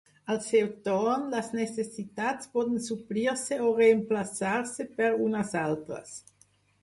Al seu torn, les necessitats poden suplir-se o reemplaçar-se per unes altres.